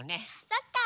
そっか。